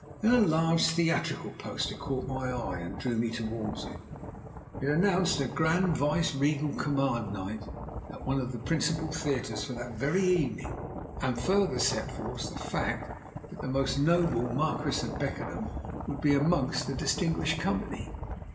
Then a large theatrical poster caught my eye and drew me towards it. It announced a grand vice regal "command" night at one of the principal theatres for that very evening, and further set forth the fact that the most noble the Marquis of Beckenham would be amongst the distinguished company.